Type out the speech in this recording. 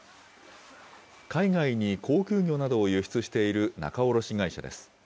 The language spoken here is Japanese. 海外に高級魚などを輸出している仲卸会社です。